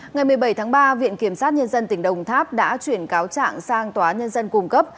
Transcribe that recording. ngày một mươi bảy tháng ba viện kiểm sát nhân dân tỉnh đồng tháp đã chuyển cáo trạng sang tòa nhân dân cung cấp